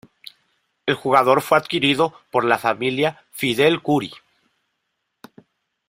El Jugador fue adquirido por la familia Fidel Kuri.